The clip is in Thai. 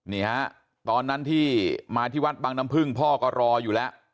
นี่ฮะตอนนั้นที่มาที่วัดบังน้ำพึ่งพ่อก็รออยู่แล้ว